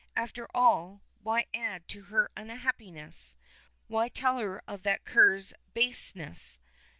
After all, why add to her unhappiness? Why tell her of that cur's baseness?